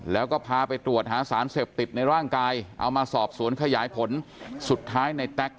แล้วก็พาไปตรวจหาสารเสพติดในร่างกายเอามาสอบสวนขยายผลสุดท้ายในแต๊ก